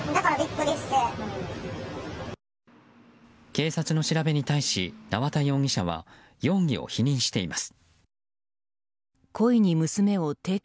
警察の調べに対し縄田容疑者は容疑を否認しています。